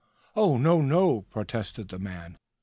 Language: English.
"Oh, no, no!" protested the man.